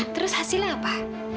terus hasilnya apa